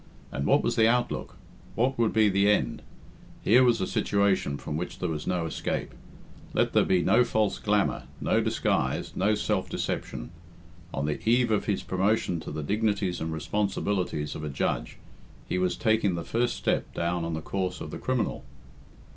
And what was the outlook? What would be the end? Here was a situation from which there was no escape. Let there be no false glamour, no disguise, no self deception. On the eve of his promotion to the dignities and responsibilities of a Judge, he was taking the first step down on the course of the criminal!